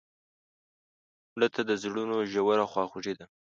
مړه ته د زړونو ژوره خواخوږي ده